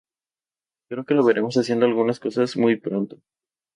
Creo que lo veremos haciendo algunas cosas muy pronto.